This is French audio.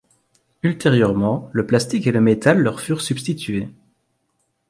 Ultérieurement le plastique et le métal leur furent substitués.